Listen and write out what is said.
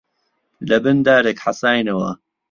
لەبن دارێک حەساینەوە